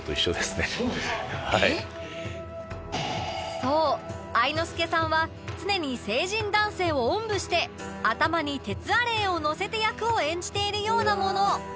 そう愛之助さんは常に成人男性をおんぶして頭に鉄アレイをのせて役を演じているようなもの